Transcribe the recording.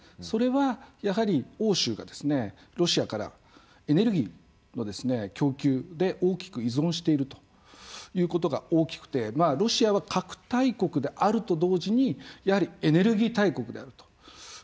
それは、やはり欧州がロシアからエネルギーの供給で大きく依存していることが大きくてロシアは核大国であると同時にやはりエネルギー大国であると。